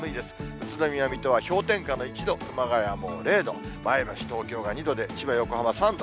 宇都宮、水戸は氷点下の１度、熊谷も０度、前橋、東京が２度で、千葉、横浜３度。